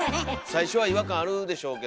最初は違和感あるでしょうけど。